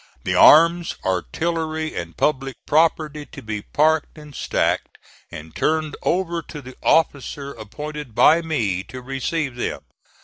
The arms, artillery and public property to be parked and stacked, and turned over to the officer appointed by me to receive them.